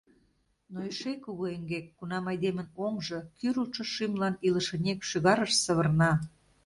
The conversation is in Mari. Но эше кугу эҥгек, кунам айдемын оҥжо Кӱрылтшӧ шӱмлан илышынек шӱгарыш савырна!